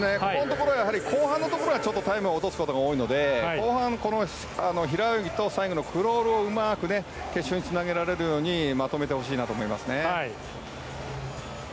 後半のところはタイムを落とすところが多いので後半の平泳ぎと最後のクロールをうまく決勝につなげられるようまとめてほしいなと思いますね。